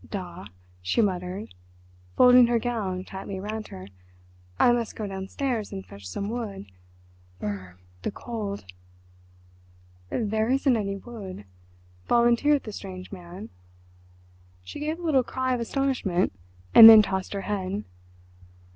"Da," she muttered, folding her gown tightly around her, "I must go downstairs and fetch some wood. Brr! the cold!" "There isn't any wood," volunteered the strange man. She gave a little cry of astonishment, and then tossed her head.